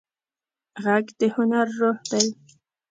غږ د هنر روح دی